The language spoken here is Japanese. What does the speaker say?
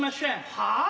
はあ？